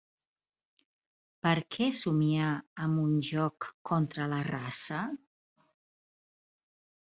Per què somiar amb un joc contra la raça?